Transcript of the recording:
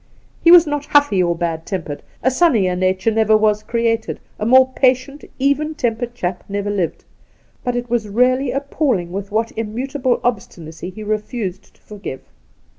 He was not huffy or bad tempered — a sunnier nature never was created ; a more patient, even tempered chap never lived — but it was really appalling with what im mutable obstinacy he refused to forgive.